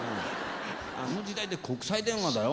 あの時代で国際電話だよ。